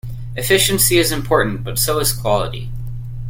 Efficiency is important, but so is quality.